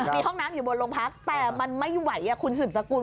มีห้องน้ำอยู่บนโรงพักแต่มันไม่ไหวคุณสืบสกุล